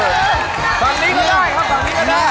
ฝั่งนี้ก็ได้ครับฝั่งนี้ก็ได้